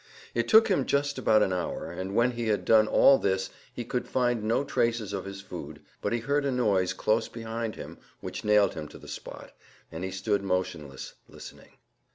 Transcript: It took him just about an hour, and when he had done all this he could find no traces of his food, but he heard a noise close behind him which nailed him to the spot, and he stood motionless, listening.